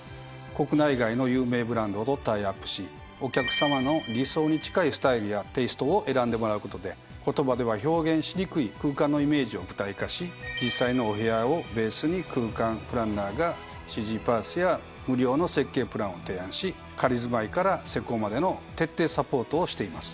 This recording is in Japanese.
国内外の有名ブランドとタイアップしお客さまの理想に近いスタイルやテイストを選んでもらうことで言葉では表現しにくい空間のイメージを具体化し実際のお部屋をベースに空間プランナーがＣＧパースや無料の設計プランを提案し仮住まいから施工までの徹底サポートをしています。